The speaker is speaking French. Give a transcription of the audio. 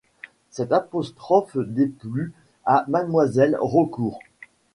Cette apostrophe déplut à Mlle Raucourt.